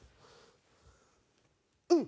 うん。